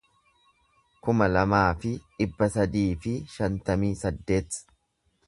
kuma lamaa fi dhibba sadii fi shantamii saddeet